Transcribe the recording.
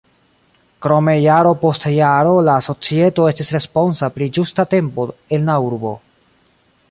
Krome jaro post jaro la societo estis responsa pri ĝusta tempo en la urbo.